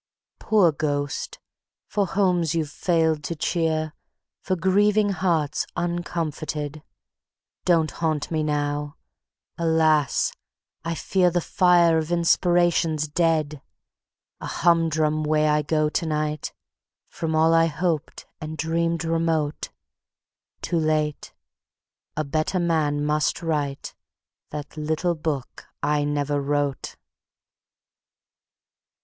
Poor ghost! For homes you've failed to cheer, For grieving hearts uncomforted, Don't haunt me now. ... Alas! I fear The fire of Inspiration's dead. A humdrum way I go to night, From all I hoped and dreamed remote: Too late ... a better man must write That Little Book I Never Wrote.